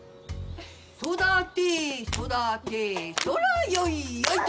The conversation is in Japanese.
「育て育てそらよいよい」と。